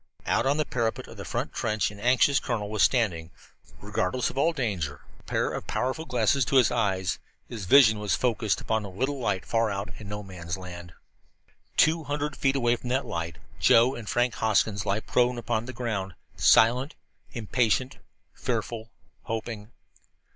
Out on the parapet of the front trench an anxious colonel was standing, regardless of all danger, a pair of powerful glasses to his eyes. His vision was focused upon a little light far out in No Man's Land. Two hundred feet away from that light Joe and Frank Hoskins lay prone upon the ground, silent, impatient, fearful, hoping.